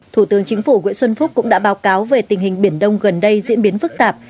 thủ tướng chính phủ nguyễn xuân phúc cũng đã báo cáo về tình hình biển đông gần đây diễn biến phức tạp